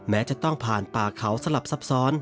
แม้จะต้องผ่านป่าเขาสลับซับซ้อน